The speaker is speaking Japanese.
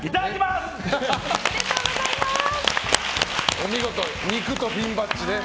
お見事、肉とピンバッジ。